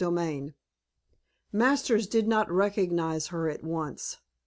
XLIV Masters did not recognize her at once.